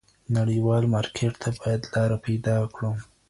نړیوال مارکیټ ته باید لاره پیدا کړو.